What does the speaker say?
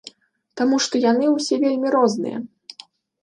Таму што яны ўсе вельмі розныя.